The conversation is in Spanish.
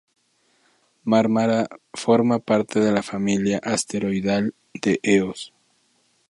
Marmara forma parte de la familia asteroidal de Eos.